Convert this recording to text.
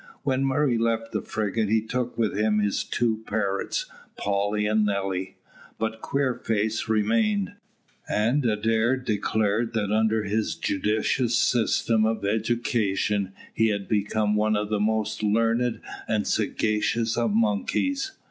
When Murray left the frigate he took with him his two parrots, Polly and Nelly, but Queerface remained, and Adair declared that under his judicious system of education he had become one of the most learned and sagacious of monkeys.